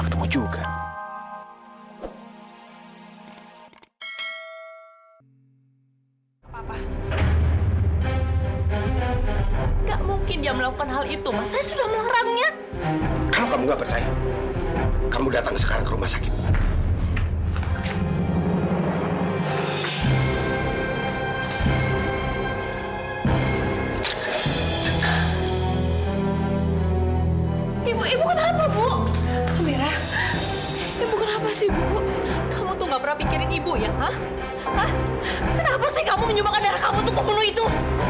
kenapa sih kamu menyumbangkan darah kamu ke pembunuh itu